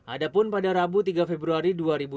ada pun pada rabu tiga februari dua ribu dua puluh